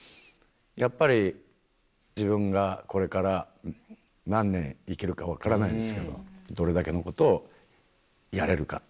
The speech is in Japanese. やっぱり自分がこれから何年生きるか分からないんですけどどれだけのことをやれるか。